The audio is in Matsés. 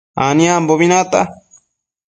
Aniambobi nata